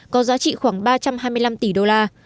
có giá trị khoảng ba trăm hai mươi năm tỷ đô la